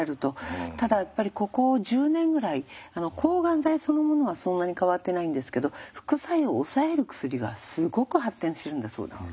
ただやっぱりここ１０年ぐらい抗がん剤そのものはそんなに変わってないんですけど副作用を抑える薬がすごく発展してるんだそうです。